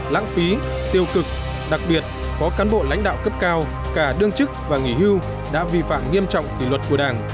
lãng phí tiêu cực đặc biệt có cán bộ lãnh đạo cấp cao cả đương chức và nghỉ hưu đã vi phạm nghiêm trọng kỷ luật của đảng